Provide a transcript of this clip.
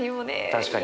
確かに。